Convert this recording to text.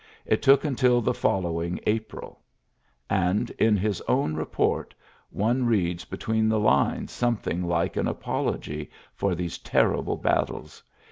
It took until the following April. And in his own report one reads be tween the lines something like an apol ogy for these terrible battles.